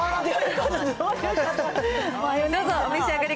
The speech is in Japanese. どうぞ、お召し上がり